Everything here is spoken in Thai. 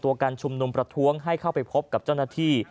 การชุมนุมประท้วงให้เข้าไปพบกับเจ้าหน้าที่